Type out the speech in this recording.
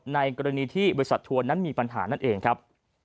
ในกรณีที่บริษัททัวร์นั้นมีปัญหานั่นเองครับ